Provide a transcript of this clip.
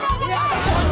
ya kena doang